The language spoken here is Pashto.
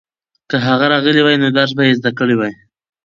که هغه راغلی وای نو درس به یې زده کړی وای.